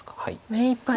目いっぱい。